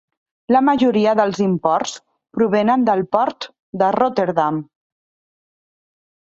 La majoria dels imports provenen del port de Rotterdam.